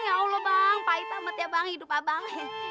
ya allah bang pahit amat ya bang hidup abang